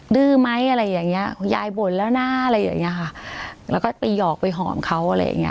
ดื้อไหมอะไรอย่างเงี้ยคุณยายบ่นแล้วนะอะไรอย่างเงี้ยค่ะแล้วก็ไปหอกไปหอมเขาอะไรอย่างเงี้